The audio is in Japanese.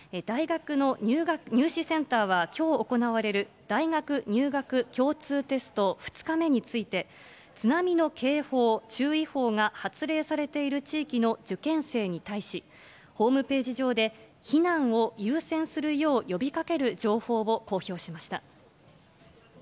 大学の入試センターは、きょう行われる大学入学共通テスト２日目について、津波の警報、注意報が発令されている地域の受験生に対し、ホームページ上で避難を優先するよう呼びかける情報を公表しました。